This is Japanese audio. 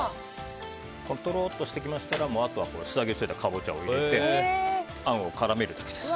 とろっとしてきましたら素揚げしたカボチャを入れてあんを絡めるだけです。